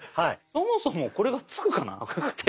そもそもこれがつくかな手が。